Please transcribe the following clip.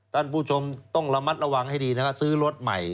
ท่านผู้ชมต้องระมัดระวังให้ดีนะฮะซื้อรถใหม่